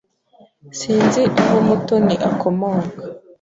Sinzi aho Mutoni akomoka.